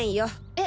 え？